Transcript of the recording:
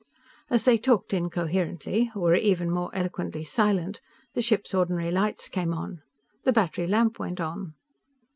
As they talked incoherently, or were even more eloquently silent, the ship's ordinary lights came on. The battery lamp went on.